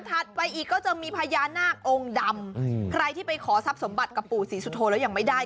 ไปอีกก็จะมีพญานาคองค์ดำใครที่ไปขอทรัพย์สมบัติกับปู่ศรีสุโธแล้วยังไม่ได้